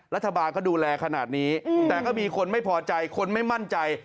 รัฐบาลก็ดูแลขนาดนี้แต่ก็มีคนไม่พอใจคนไม่มั่นใจ